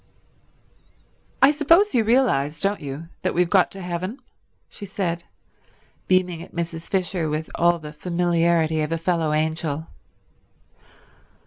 "I suppose you realize, don't you, that we've got to heaven?" she said, beaming at Mrs. Fisher with all the familiarity of a fellow angel.